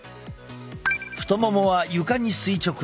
太ももは床に垂直に。